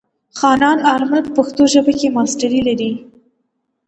حنان آرمل په پښتو ژبه کې ماسټري لري.